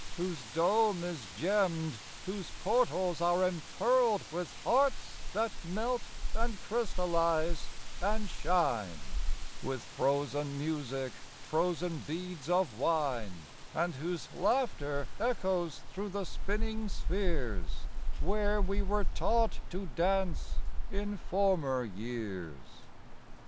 Whose dome is gemmed, whose portals are empcarled With hearts that melt and crystallize and shine,— With frozen music, frozen beads of wine,— And whose laughter echoes through the spinning spheres, Where we were taught to dance in former years.